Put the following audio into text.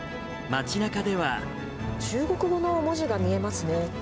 中国語の文字が見えますね。